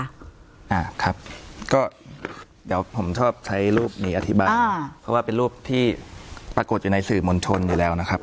อ่าครับก็เดี๋ยวผมชอบใช้รูปนี้อธิบายอ่าเพราะว่าเป็นรูปที่ปรากฏอยู่ในสื่อมณชนอยู่แล้วนะครับ